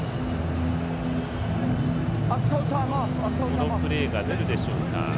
このプレーが出るでしょうか。